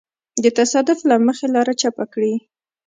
د تصادف له مخې لاره چپ کړي.